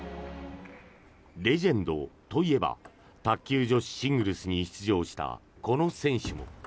レジェンドといえば卓球女子シングルスに出場したこの選手も。